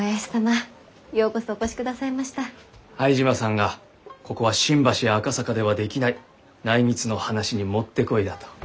相島さんがここは新橋や赤坂ではできない内密の話に持ってこいだと。